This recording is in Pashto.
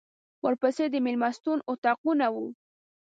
ورپسې د مېلمستون اطاقونه وو.